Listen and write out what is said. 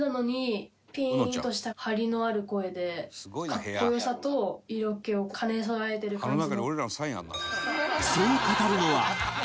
かっこよさと色気を兼ね備えてる感じの。